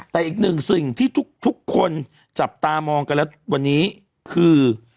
แต่อีกหนึ่งสิ่งที่ทุกคนจับตามองกันแล้ววันนี้คือ